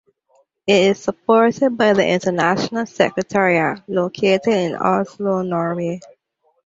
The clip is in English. It is supported by the international secretariat, located in Oslo, Norway.